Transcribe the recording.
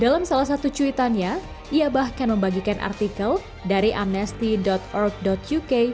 dalam salah satu cuitannya ia bahkan membagikan artikel dari amnesty org uk